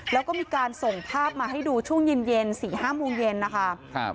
แล้วก็มีการส่งภาพมาให้ดูช่วงเย็นเย็น๔๕โมงเย็นนะคะ